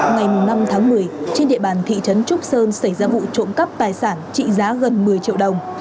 ngày năm tháng một mươi trên địa bàn thị trấn trúc sơn xảy ra vụ trộm cắp tài sản trị giá gần một mươi triệu đồng